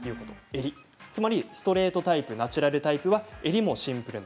つまりストレートタイプとナチュラルタイプは襟もシンプル。